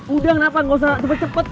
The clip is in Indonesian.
udah kenapa gak usah cepet cepet